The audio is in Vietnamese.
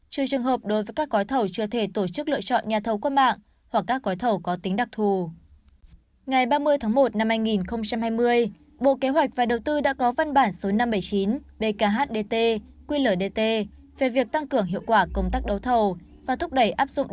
trừ trường hợp đối với các gói thầu chưa thể tổ chức lựa chọn nhà thầu qua mạng hoặc các gói thầu có tính đặc thù